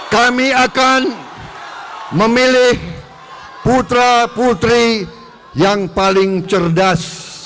kami akan memilih putra putri yang paling cerdas